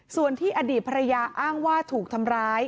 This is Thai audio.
ส่วนที่อดีตภรรยาอ้างว่าถูกทำร้าย